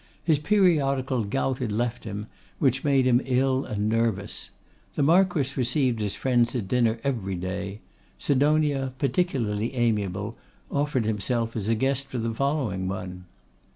His periodical gout had left him, which made him ill and nervous. The Marquess received his friends at dinner every day. Sidonia, particularly amiable, offered himself as a guest for the following one.